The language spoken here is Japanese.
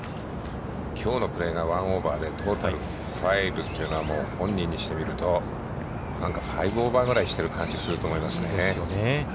きょうのプレーが１オーバーで、トータル５というのは、本人にしてみると、なんか５オーバーぐらいしている感じがすると思います。